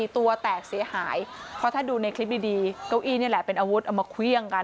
ตัวแตกเสียหายเพราะถ้าดูในคลิปดีเก้าอี้นี่แหละเป็นอาวุธเอามาเครื่องกัน